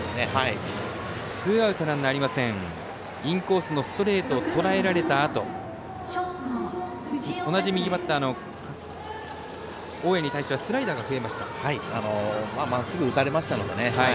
インコースのストレートをとらえられたあと同じ右バッターの大矢に対してはスライダーが増えました。